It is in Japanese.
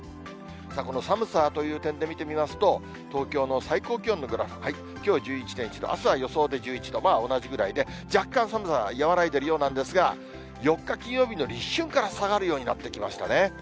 この寒さという点で見てみますと、東京の最高気温のグラフ、きょう１１．１度、あすは予想で１１度、まあ同じぐらいで、若干寒さが和らいでいるようなんですが、４日金曜日の立春から下がるようになってきましたね。